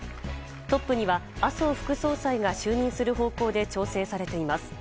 トップには麻生副総裁が就任する方向で調整されています。